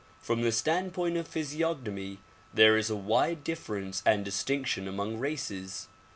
From the standpoint of physiognomy there is a wide difference and distinction among races.